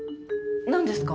何ですか？